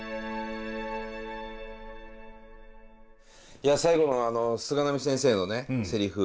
いや最後の菅波先生のねせりふ。